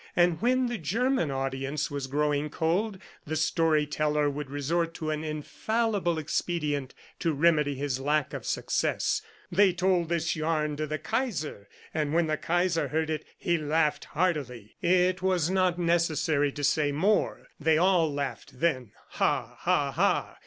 And when the German audience was growing cold, the story teller would resort to an infallible expedient to remedy his lack of success: "They told this yarn to the Kaiser, and when the Kaiser heard it he laughed heartily." It was not necessary to say more. They all laughed then. Ha, ha, ha!